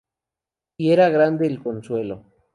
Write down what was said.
Y era grande el consuelo.